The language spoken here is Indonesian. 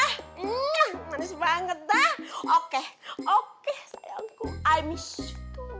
hmm manis banget dah oke oke sayangku i miss you